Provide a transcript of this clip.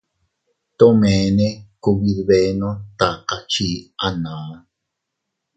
Tomene kubidbenno taka chii anaa.